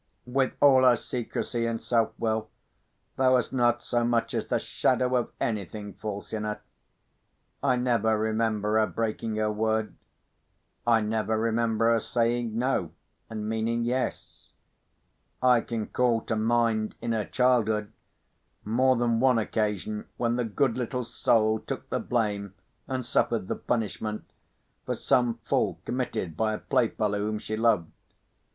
With all her secrecy, and self will, there was not so much as the shadow of anything false in her. I never remember her breaking her word; I never remember her saying No, and meaning Yes. I can call to mind, in her childhood, more than one occasion when the good little soul took the blame, and suffered the punishment, for some fault committed by a playfellow whom she loved.